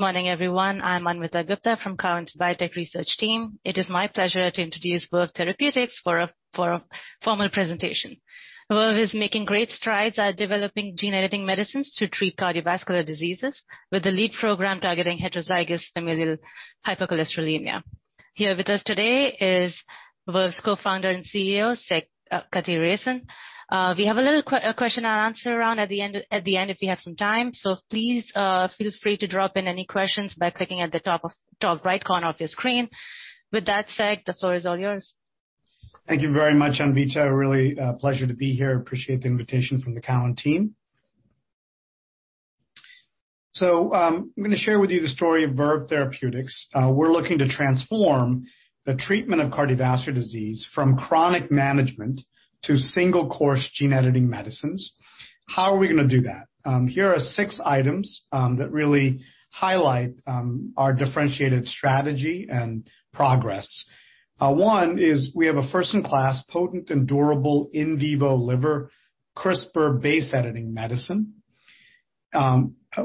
Morning, everyone. I'm Amita Gupta from Cowen’s Biotech Research team. It is my pleasure to introduce Verve Therapeutics for a formal presentation. Verve is making great strides at developing gene editing medicines to treat cardiovascular diseases, with the lead program targeting heterozygous familial hypercholesterolemia. Here with us today is Verve's co-founder and CEO, Sekar Kathiresan. We have a little question and answer round at the end if we have some time. Please feel free to drop in any questions by clicking at the top right corner of your screen. With that said, the floor is all yours. Thank you very much, Amita. Really, pleasure to be here. Appreciate the invitation from the Cowen team. I'm gonna share with you the story of Verve Therapeutics. We're looking to transform the treatment of cardiovascular disease from chronic management to single-course gene-editing medicines. How are we gonna do that? Here are six items that really highlight our differentiated strategy and progress. One is we have a first-in-class, potent and durable in vivo liver CRISPR-based editing medicine.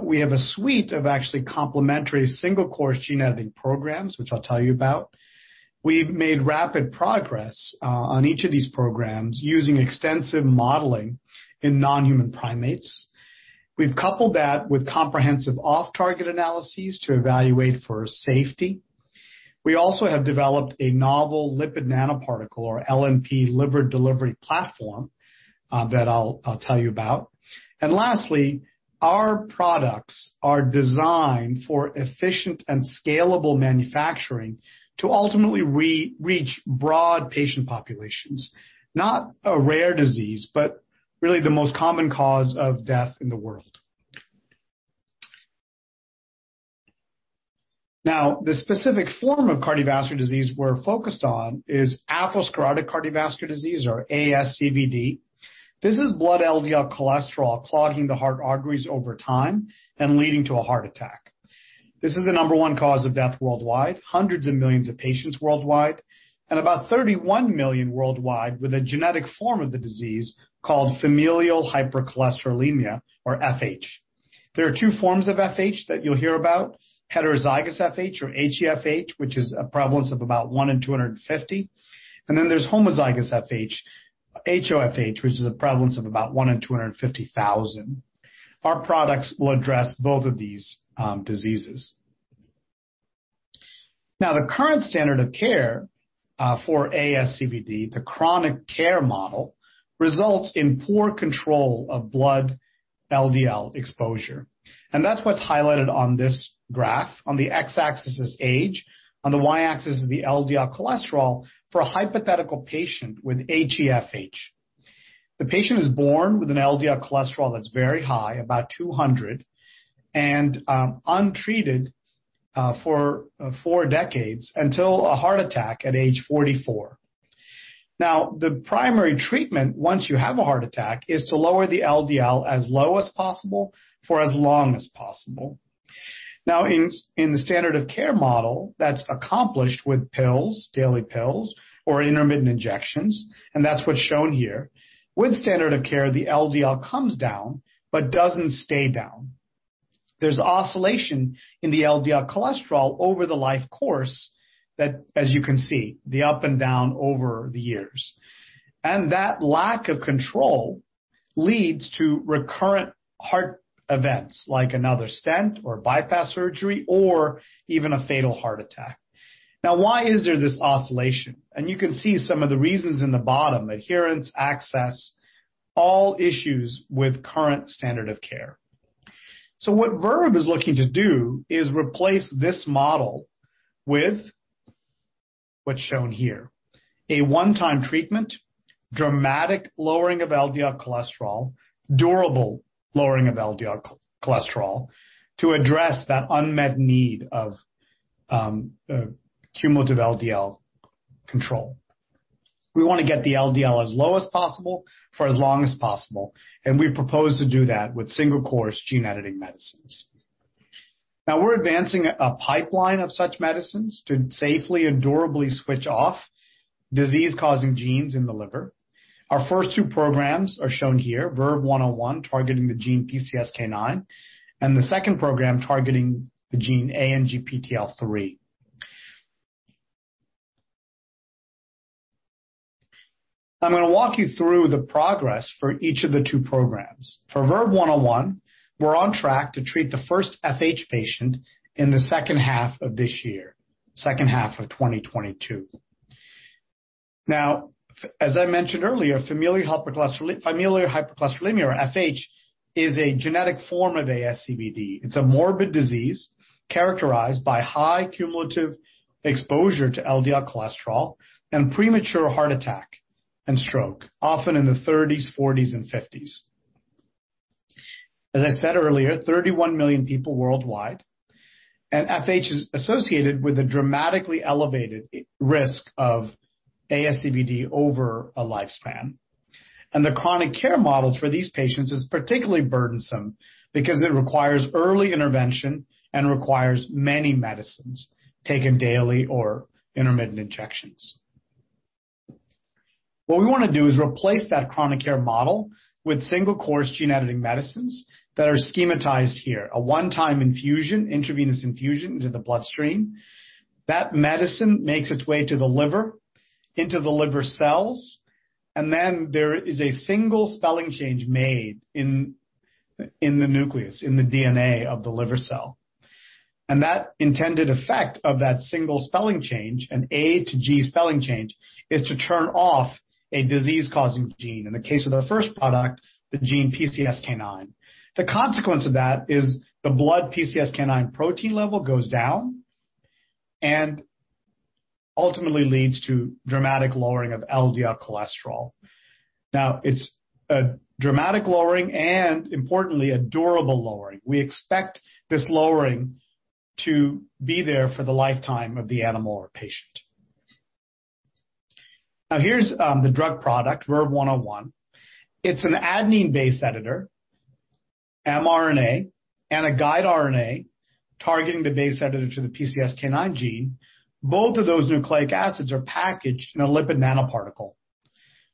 We have a suite of actually complementary single-course gene editing programs, which I'll tell you about. We've made rapid progress on each of these programs using extensive modeling in non-human primates. We've coupled that with comprehensive off-target analyses to evaluate for safety. We also have developed a novel lipid nanoparticle, or LNP, liver delivery platform that I'll tell you about. Our products are designed for efficient and scalable manufacturing to ultimately reach broad patient populations. Not a rare disease, but really the most common cause of death in the world. Now, the specific form of cardiovascular disease we're focused on is atherosclerotic cardiovascular disease, or ASCVD. This is blood LDL cholesterol clogging the heart arteries over time and leading to a heart attack. This is the number one cause of death worldwide, hundreds of millions of patients worldwide, and about 31 million worldwide with a genetic form of the disease called familial hypercholesterolemia, or FH. There are two forms of FH that you'll hear about, heterozygous FH or HEFH, which is a prevalence of about one in 250. Then there's homozygous FH, HoFH, which is a prevalence of about one in 250,000. Our products will address both of these diseases. Now, the current standard of care for ASCVD, the chronic care model, results in poor control of blood LDL exposure, and that's what's highlighted on this graph. On the x-axis is age, on the y-axis is the LDL cholesterol for a hypothetical patient with HEFH. The patient is born with an LDL cholesterol that's very high, about 200, and untreated for four decades until a heart attack at age 44. Now, the primary treatment, once you have a heart attack, is to lower the LDL as low as possible for as long as possible. Now, in the standard of care model, that's accomplished with pills, daily pills or intermittent injections, and that's what's shown here. With standard of care, the LDL comes down but doesn't stay down. There's oscillation in the LDL cholesterol over the life course that as you can see, the up and down over the years, and that lack of control leads to recurrent heart events like another stent or bypass surgery or even a fatal heart attack. Now, why is there this oscillation? You can see some of the reasons in the bottom: adherence, access, all issues with current standard of care. What Verve is looking to do is replace this model with what's shown here. A one-time treatment, dramatic lowering of LDL cholesterol, durable lowering of LDL cholesterol to address that unmet need of cumulative LDL control. We wanna get the LDL as low as possible for as long as possible, and we propose to do that with single-course gene-editing medicines. Now we're advancing a pipeline of such medicines to safely and durably switch off disease-causing genes in the liver. Our first two programs are shown here, VERVE-101, targeting the gene PCSK9, and the second program targeting the gene ANGPTL3. I'm gonna walk you through the progress for each of the two programs. For VERVE-101, we're on track to treat the first FH patient in the H2 of this year, H2 of 2022. As I mentioned earlier, familial hypercholesterolemia or FH is a genetic form of ASCVD. It's a morbid disease characterized by high cumulative exposure to LDL cholesterol and premature heart attack and stroke, often in the 30s, 40s, and 50s. As I said earlier, 31 million people worldwide, and FH is associated with a dramatically elevated risk of ASCVD over a lifespan. The chronic care model for these patients is particularly burdensome because it requires early intervention and requires many medicines taken daily or intermittent injections. What we want to do is replace that chronic care model with single-course gene editing medicines that are schematized here. A one-time infusion, intravenous infusion into the bloodstream. That medicine makes its way to the liver, into the liver cells, and then there is a single spelling change made in the nucleus, in the DNA of the liver cell. That intended effect of that single spelling change, an A to G spelling change, is to turn off a disease-causing gene. In the case of our first product, the gene PCSK9. The consequence of that is the blood PCSK9 protein level goes down and ultimately leads to dramatic lowering of LDL cholesterol. Now, it's a dramatic lowering and importantly, a durable lowering. We expect this lowering to be there for the lifetime of the animal or patient. Now, here's the drug product, VERVE-101. It's an adenine-based editor, mRNA and a guide RNA targeting the base editor to the PCSK9 gene. Both of those nucleic acids are packaged in a lipid nanoparticle.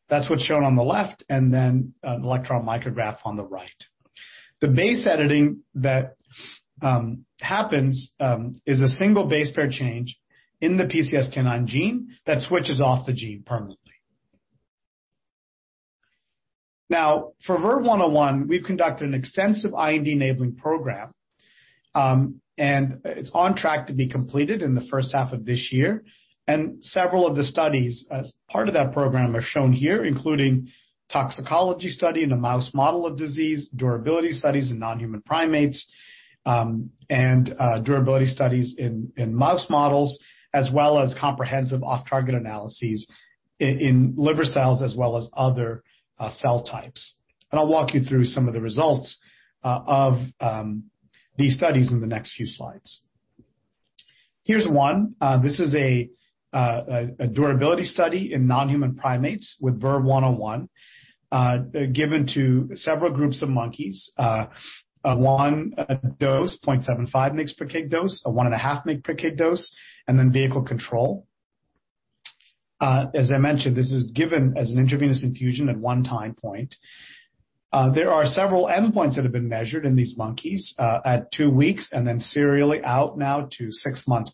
That's what's shown on the left, and then an electron micrograph on the right. The base editing that happens is a single base pair change in the PCSK9 gene that switches off the gene permanently. Now, for VERVE-101, we've conducted an extensive IND-enabling program, and it's on track to be completed in the first half of this year. Several of the studies as part of that program are shown here, including toxicology study in a mouse model of disease, durability studies in non-human primates, durability studies in mouse models, as well as comprehensive off-target analyses in liver cells as well as other cell types. I'll walk you through some of the results of these studies in the next few slides. Here's one. This is a durability study in non-human primates with VERVE-101, given to several groups of monkeys. One dose, 0.75 mg per kg dose, a 1.5 mg per kg dose, and then vehicle control. As I mentioned, this is given as an intravenous infusion at one time point. There are several endpoints that have been measured in these monkeys at two weeks and then serially out now to six months+.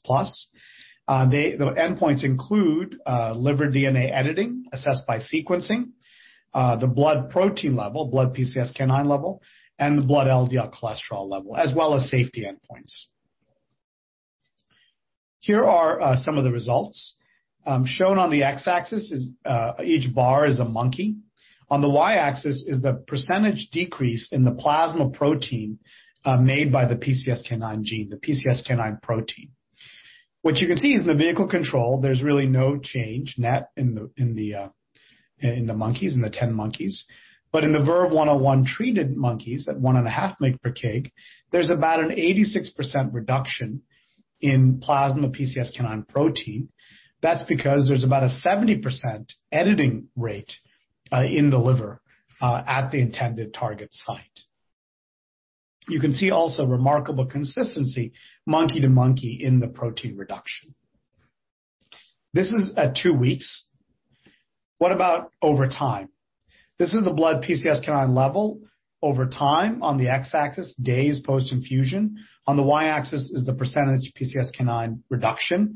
The endpoints include liver DNA editing, assessed by sequencing, the blood protein level, blood PCSK9 level, and the blood LDL cholesterol level, as well as safety endpoints. Here are some of the results. Shown on the X-axis is each bar is a monkey. On the Y-axis is the percentage decrease in the plasma protein made by the PCSK9 gene, the PCSK9 protein. What you can see is in the vehicle control, there's really no change net in the 10 monkeys. But in the VERVE-101-treated monkeys at 1.5 mg per kg, there's about an 86% reduction in plasma PCSK9 protein. That's because there's about a 70% editing rate in the liver at the intended target site. You can see also remarkable consistency, monkey-to-monkey, in the protein reduction. This is at two weeks. What about over time? This is the blood PCSK9 level over time on the x-axis, days post-infusion. On the y-axis is the percentage PCSK9 reduction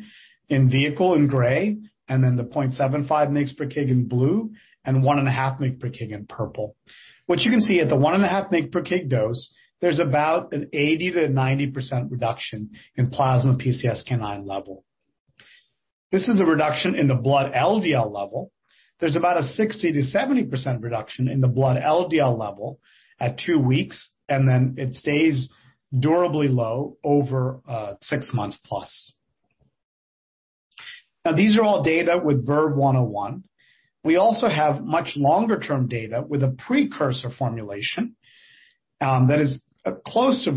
in vehicle in gray, and then the 0.75 mg per kg in blue, and 1.5 mg per kg in purple. What you can see at the 1.5 mg per kg dose, there's about an 80%-90% reduction in plasma PCSK9 level. This is a reduction in the blood LDL level. There's about a 60%-70% reduction in the blood LDL level at two weeks, and then it stays durably low over six months+. Now, these are all data with VERVE-101. We also have much longer-term data with a precursor formulation that is close to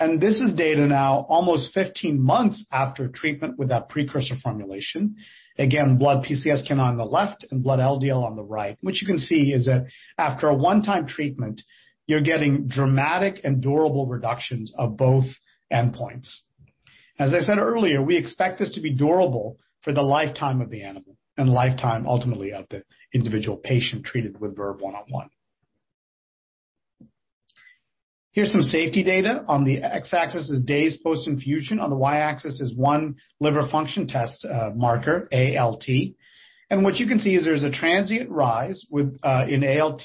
VERVE-101. This is data now almost 15 months after treatment with that precursor formulation. Again, blood PCSK9 on the left and blood LDL on the right. What you can see is that after a one-time treatment, you're getting dramatic and durable reductions of both endpoints. As I said earlier, we expect this to be durable for the lifetime of the animal and lifetime, ultimately, of the individual patient treated with VERVE-101. Here's some safety data. On the x-axis is days post-infusion. On the y-axis is one liver function test marker, ALT. What you can see is there's a transient rise with in ALT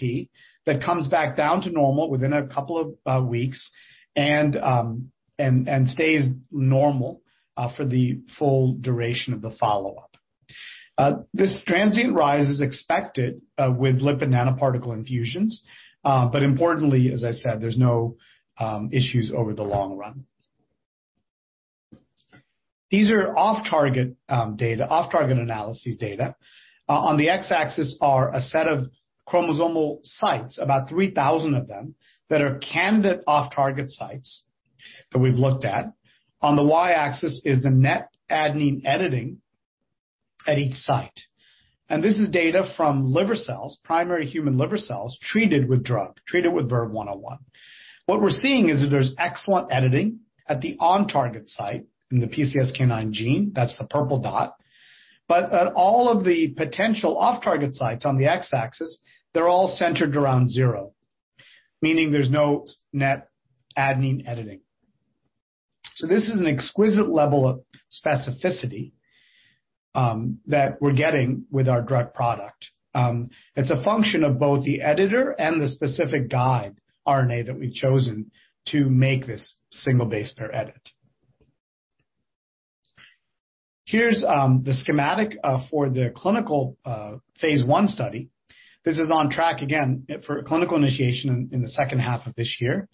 that comes back down to normal within a couple of weeks and stays normal for the full duration of the follow-up. This transient rise is expected with lipid nanoparticle infusions. Importantly, as I said, there's no issues over the long run. These are off-target data, off-target analyses data. On the x-axis are a set of chromosomal sites, about 3,000 of them, that are candidate off-target sites that we've looked at. On the y-axis is the net adenine editing at each site. This is data from liver cells, primary human liver cells, treated with drug, treated with VERVE-101. What we're seeing is that there's excellent editing at the on-target site in the PCSK9 gene, that's the purple dot. At all of the potential off-target sites on the x-axis, they're all centered around zero, meaning there's no net adenine editing. This is an exquisite level of specificity that we're getting with our drug product. It's a function of both the editor and the specific guide RNA that we've chosen to make this single base pair edit. Here's the schematic for the clinical phase I study. This is on track again for clinical initiation in the H2 of this year.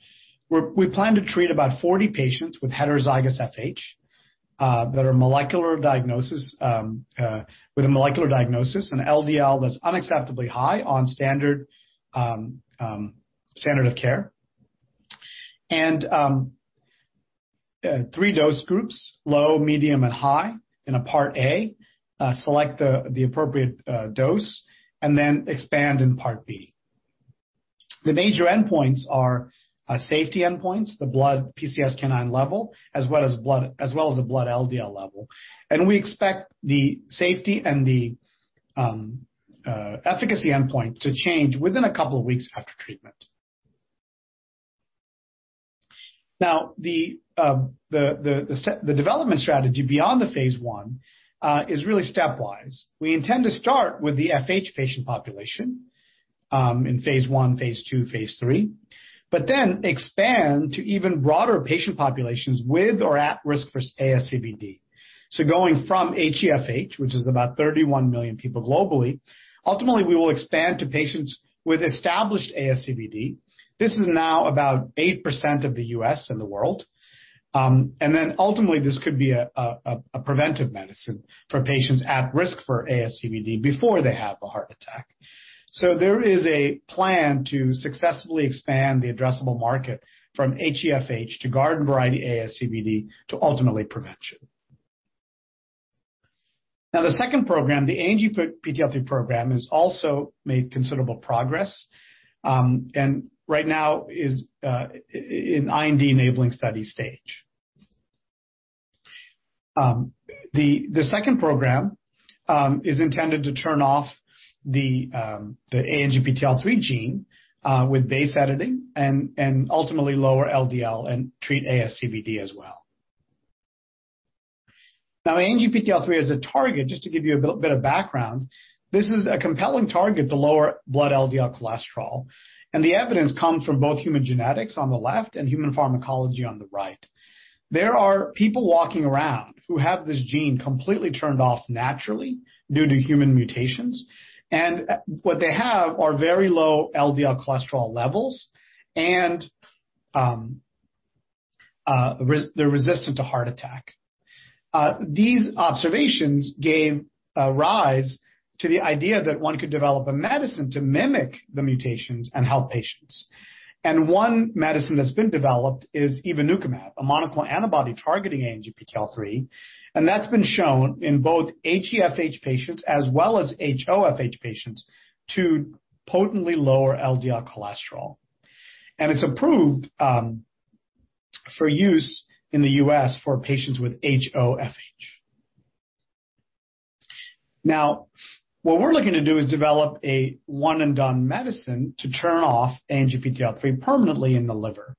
We plan to treat about 40 patients with heterozygous FH that have a molecular diagnosis, an LDL that's unacceptably high on standard of care. Three dose groups, low, medium, and high in part A select the appropriate dose and then expand in part B. The major endpoints are safety endpoints, the blood PCSK9 level, as well as the blood LDL level. We expect the safety and the efficacy endpoint to change within a couple of weeks after treatment. The development strategy beyond phase I is really stepwise. We intend to start with the FH patient population in phase I, phase II, phase III, but then expand to even broader patient populations with or at risk for ASCVD. Going from HEFH, which is about 31 million people globally, ultimately, we will expand to patients with established ASCVD. This is now about 8% of the U.S. and the world. Ultimately, this could be a preventive medicine for patients at risk for ASCVD before they have a heart attack. There is a plan to successfully expand the addressable market from HEFH to garden variety ASCVD to ultimately prevention. Now, the second program, the ANGPTL3 program, has also made considerable progress, and right now is in IND-enabling study stage. The second program is intended to turn off the ANGPTL3 gene with base editing and ultimately lower LDL and treat ASCVD as well. Now, ANGPTL3 as a target, just to give you a bit of background, this is a compelling target to lower blood LDL cholesterol, and the evidence comes from both human genetics on the left and human pharmacology on the right. There are people walking around who have this gene completely turned off naturally due to human mutations, and what they have are very low LDL cholesterol levels and they're resistant to heart attack. These observations gave rise to the idea that one could develop a medicine to mimic the mutations and help patients. One medicine that's been developed is Evinacumab, a monoclonal antibody targeting ANGPTL3, and that's been shown in both HEFH patients as well as HoFH patients to potently lower LDL cholesterol. It's approved for use in the U.S. for patients with HoFH. Now, what we're looking to do is develop a one-and-done medicine to turn off ANGPTL3 permanently in the liver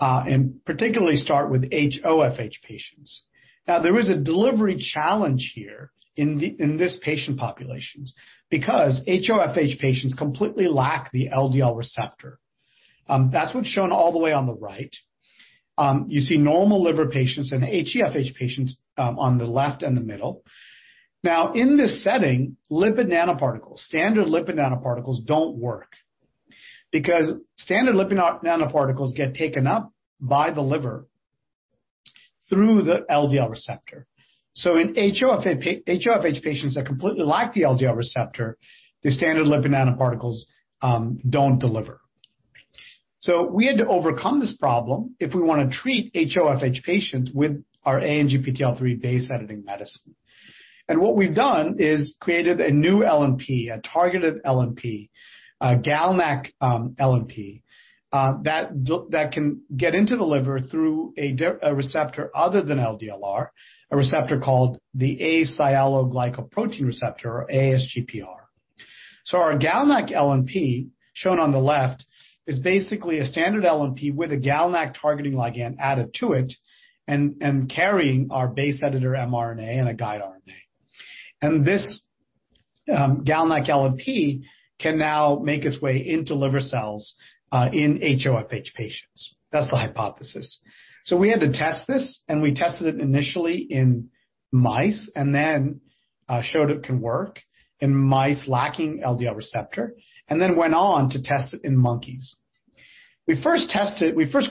and particularly start with HoFH patients. Now, there is a delivery challenge here in this patient populations because HoFH patients completely lack the LDL receptor. That's what's shown all the way on the right. You see normal liver patients and HEFH patients on the left and the middle. Now, in this setting, lipid nanoparticles, standard lipid nanoparticles don't work because standard lipid nanoparticles get taken up by the liver through the LDL receptor. In HoFH patients that completely lack the LDL receptor, the standard lipid nanoparticles don't deliver. We had to overcome this problem if we wanna treat HoFH patients with our ANGPTL3 base editing medicine. What we've done is created a new LNP, a targeted LNP, a GalNAc LNP that can get into the liver through a receptor other than LDLR, a receptor called the asialo glycoprotein receptor or ASGPR. Our GalNAc LNP, shown on the left, is basically a standard LNP with a GalNAc targeting ligand added to it and carrying our base editor mRNA and a guide RNA. This GalNAc LNP can now make its way into liver cells in HoFH patients. That's the hypothesis. We had to test this, and we tested it initially in mice, and then showed it can work in mice lacking LDL receptor, and then went on to test it in monkeys. We first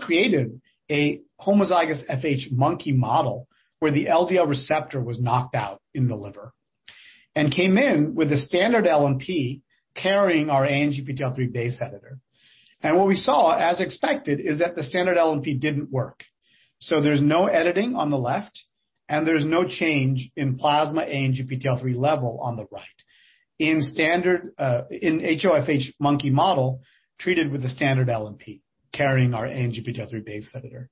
created a homozygous FH monkey model where the LDL receptor was knocked out in the liver and came in with a standard LNP carrying our ANGPTL3 base editor. What we saw, as expected, is that the standard LNP didn't work. There's no editing on the left. There's no change in plasma ANGPTL3 level on the right. In standard HoFH monkey model, treated with a standard LNP carrying our ANGPTL3 base editor.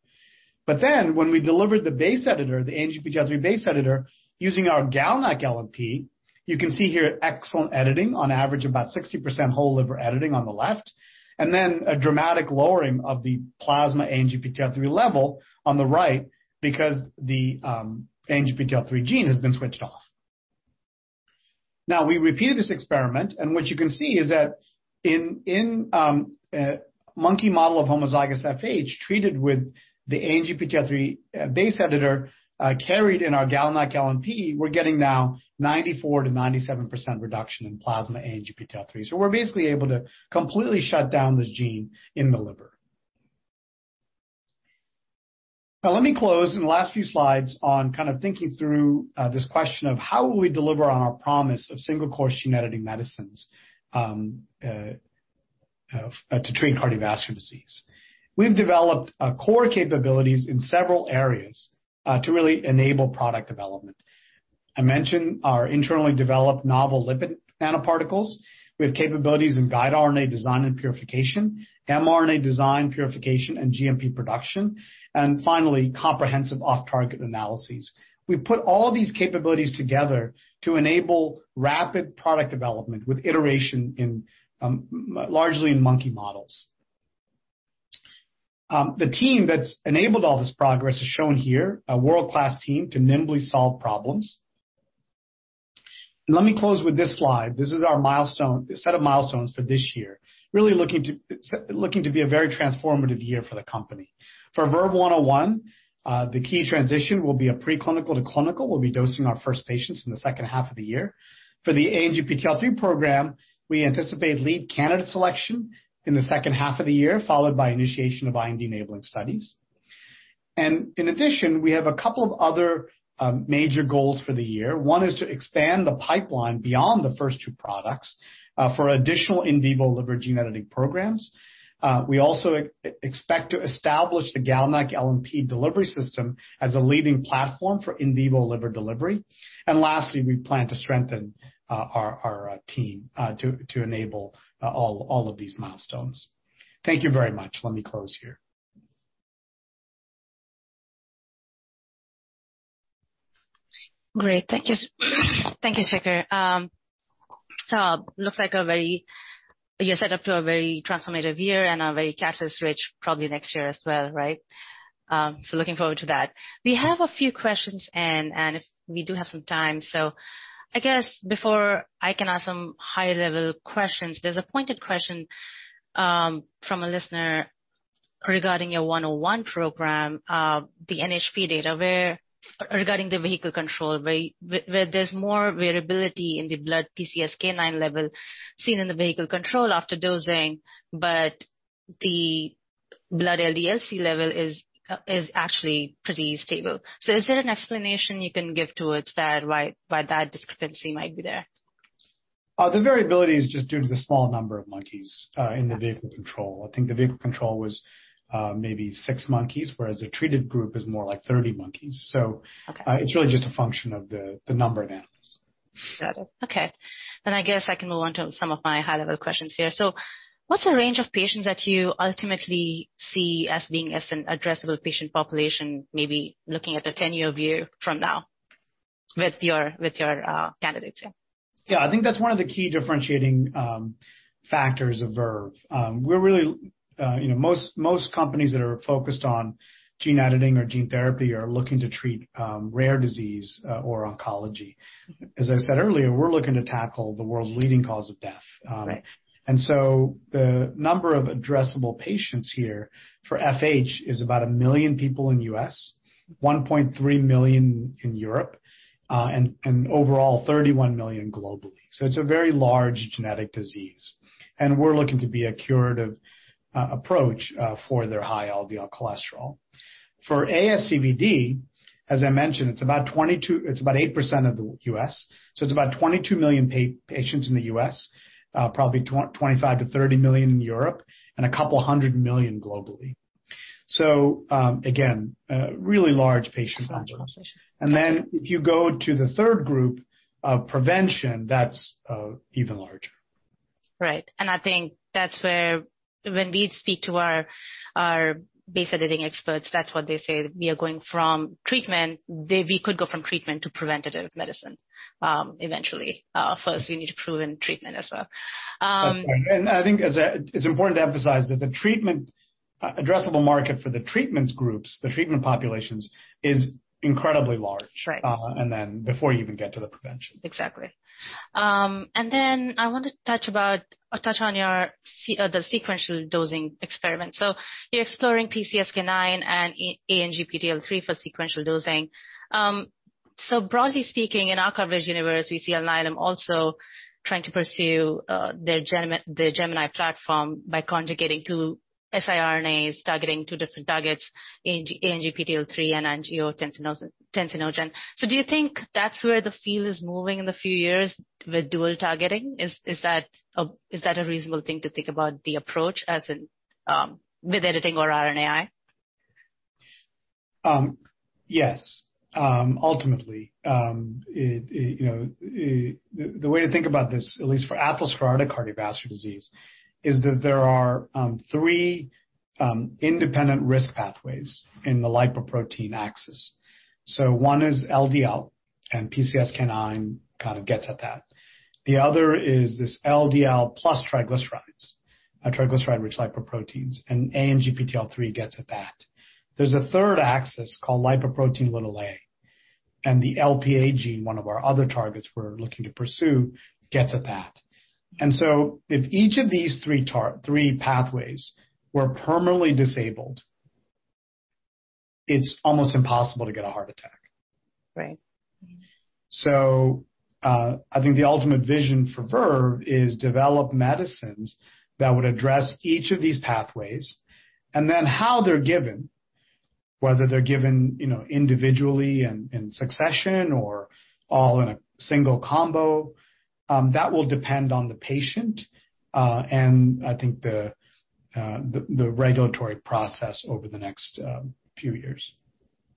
When we delivered the base editor, the ANGPTL3 base editor using our GalNAc LNP, you can see here excellent editing, on average about 60% whole liver editing on the left, and then a dramatic lowering of the plasma ANGPTL3 level on the right because the ANGPTL3 gene has been switched off. Now, we repeated this experiment, and what you can see is that in monkey model of homozygous FH, treated with the ANGPTL3 base editor carried in our GalNAc LNP, we're getting now 94%-97% reduction in plasma ANGPTL3. We're basically able to completely shut down this gene in the liver. Now let me close in the last few slides on kind of thinking through this question of how will we deliver on our promise of single-course gene editing medicines to treat cardiovascular disease. We've developed core capabilities in several areas to really enable product development. I mentioned our internally developed novel lipid nanoparticles. We have capabilities in guide RNA design and purification, mRNA design purification, and GMP production, and finally, comprehensive off-target analyses. We put all these capabilities together to enable rapid product development with iteration in, largely in monkey models. The team that's enabled all this progress is shown here, a world-class team to nimbly solve problems. Let me close with this slide. This is our milestone, set of milestones for this year. Really looking to be a very transformative year for the company. For VERVE-101, the key transition will be a pre-clinical to clinical. We'll be dosing our first patients in the H2 of the year. For the ANGPTL3 program, we anticipate lead candidate selection in the H2 of the year, followed by initiation of IND-enabling studies. In addition, we have a couple of other major goals for the year. One is to expand the pipeline beyond the first two products for additional in vivo liver gene editing programs. We also expect to establish the GalNAc LNP delivery system as a leading platform for in vivo liver delivery. Lastly, we plan to strengthen our team to enable all of these milestones. Thank you very much. Let me close here. Great. Thank you. Thank you, Sekar. You're set up for a very transformative year and a very catalyst-rich year probably next year as well, right? Looking forward to that. We have a few questions and if we do have some time. I guess before I can ask some high-level questions, there's a pointed question from a listener regarding your one-oh-one program, the NHP data, where regarding the vehicle control, there's more variability in the blood PCSK9 level seen in the vehicle control after dosing, but the blood LDL-C level is actually pretty stable. Is there an explanation you can give towards that, why that discrepancy might be there? The variability is just due to the small number of monkeys in the vehicle control. I think the vehicle control was maybe six monkeys, whereas the treated group is more like 30 monkeys. Okay. It's really just a function of the number of animals. Got it. Okay. I guess I can move on to some of my high-level questions here. What's the range of patients that you ultimately see as being an addressable patient population, maybe looking at a ten-year view from now with your candidates here? Yeah. I think that's one of the key differentiating factors of Verve. Most companies that are focused on gene editing or gene therapy are looking to treat rare disease or oncology. As I said earlier, we're looking to tackle the world's leading cause of death. Right. The number of addressable patients here for FH is about 1 million people in the U.S., 1.3 million in Europe, and overall, 31 million globally. It's a very large genetic disease, and we're looking to be a curative approach for their high LDL cholesterol. For ASCVD, as I mentioned, it's about 8% of the U.S. It's about 22 million patients in the U.S., probably 25 million-30 million in Europe and a couple of a hundred million globally. Again, a really large patient population. Large population. If you go to the third group of prevention, that's even larger. Right. I think that's where when we speak to our base editing experts, that's what they say. We are going from treatment. We could go from treatment to preventative medicine, eventually. First we need to prove in treatment as well. That's right. I think it's important to emphasize that the treatment addressable market for the treatment groups, the treatment populations, is incredibly large. Right. Before you even get to the prevention. Exactly. I wanna touch on your sequential dosing experiment. You're exploring PCSK9 and ANGPTL3 for sequential dosing. Broadly speaking, in our coverage universe, we see Alnylam also trying to pursue their GEMINI platform by conjugating two siRNAs, targeting two different targets, ANGPTL3 and angiotensinogen. Do you think that's where the field is moving in the few years with dual targeting? Is that a reasonable thing to think about the approach as in with editing or RNAi? Ultimately, it, you know, the way to think about this, at least for atherosclerotic cardiovascular disease, is that there are three independent risk pathways in the lipoprotein axis. One is LDL, and PCSK9 kind of gets at that. The other is this LDL plus triglycerides, a triglyceride-rich lipoproteins, and ANGPTL3 gets at that. There's a third axis called lipoprotein(a), and the LPA gene, one of our other targets we're looking to pursue, gets at that. If each of these three pathways were permanently disabled, it's almost impossible to get a heart attack. Right. I think the ultimate vision for Verve is develop medicines that would address each of these pathways and then how they're given, whether they're given, you know, individually in succession or all in a single combo. That will depend on the patient, and I think the regulatory process over the next few years.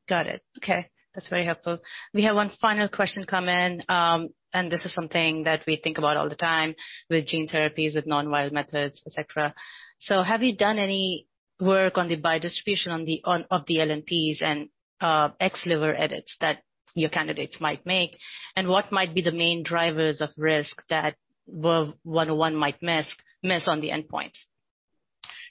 Got it. Okay, that's very helpful. We have one final question come in, and this is something that we think about all the time with gene therapies, with non-viral methods, et cetera. Have you done any work on the biodistribution of the LNPs and ex-liver edits that your candidates might make? What might be the main drivers of risk that VERVE-101 might miss on the endpoints?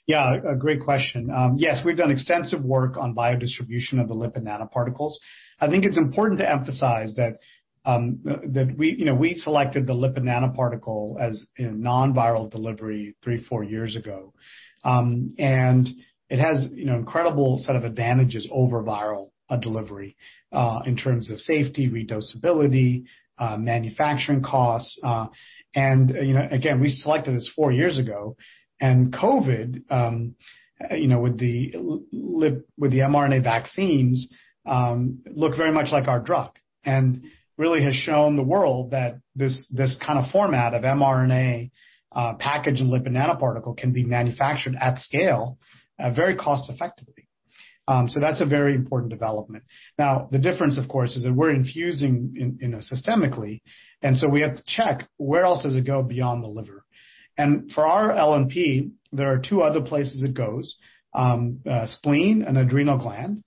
Yeah, a great question. Yes, we've done extensive work on biodistribution of the lipid nanoparticles. I think it's important to emphasize that we selected the lipid nanoparticle as a non-viral delivery three years-four years ago. It has an incredible set of advantages over viral delivery in terms of safety, redosability, manufacturing costs. You know, again, we selected this four years ago, and COVID with the mRNA vaccines look very much like our drug and really has shown the world that this kind of format of mRNA packaged in lipid nanoparticle can be manufactured at scale very cost effectively. That's a very important development. Now, the difference, of course, is that we're infusing in, you know, systemically, and we have to check where else does it go beyond the liver. For our LNP, there are two other places it goes, spleen and adrenal gland.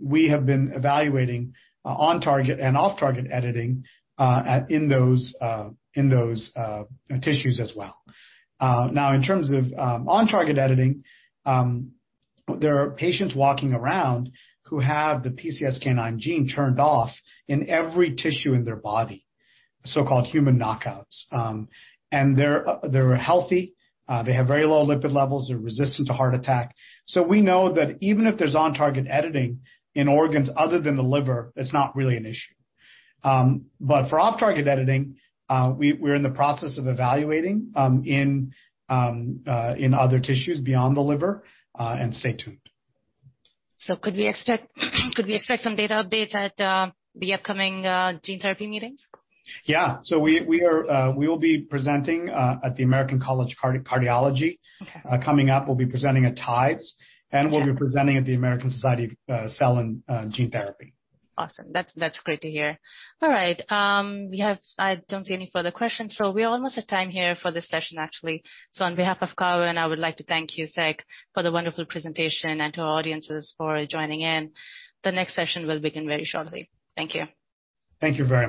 We have been evaluating on-target and off-target editing in those tissues as well. Now in terms of on-target editing, there are patients walking around who have the PCSK9 gene turned off in every tissue in their body, so-called human knockouts. They're healthy. They have very low lipid levels. They're resistant to heart attack. We know that even if there's on-target editing in organs other than the liver, it's not really an issue. For off-target editing, we're in the process of evaluating in other tissues beyond the liver, and stay tuned. Could we expect some data updates at the upcoming gene therapy meetings? We will be presenting at the American College of Cardiology. Okay. Coming up, we'll be presenting at TIDES. Okay. We'll be presenting at the American Society of Gene & Cell Therapy. Awesome. That's great to hear. All right, I don't see any further questions, so we're almost at time here for this session, actually. On behalf of Cowen, I would like to thank you, Sekar, for the wonderful presentation and to our audiences for joining in. The next session will begin very shortly. Thank you. Thank you very much.